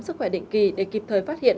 sức khỏe định kỳ để kịp thời phát hiện